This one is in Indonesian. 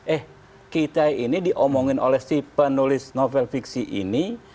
eh kita ini diomongin oleh si penulis novel fiksi ini